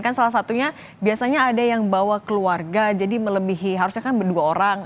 kan salah satunya biasanya ada yang bawa keluarga jadi melebihi harusnya kan berdua orang